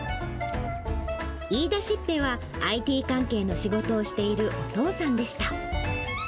言いだしっぺはＩＴ関係の仕事をしているお父さんでした。